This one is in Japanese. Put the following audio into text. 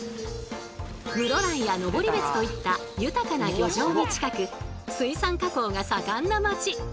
室蘭や登別といった豊かな漁場に近く水産加工が盛んな街。